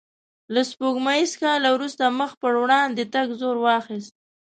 له سپوږمیز کال وروسته مخ په وړاندې تګ زور واخیست.